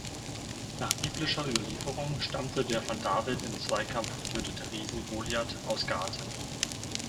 Nach biblischer Überlieferung stammte der von David im Zweikampf getötete Riese Goliat aus Gat.